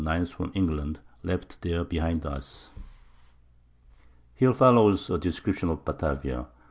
_ from England, left there behind us. Here follows, A Description of Batavia.